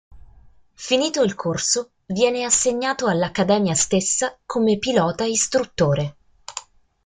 Finito il corso, viene assegnato all'accademia stessa come pilota istruttore.